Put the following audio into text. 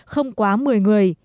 không quá một mươi người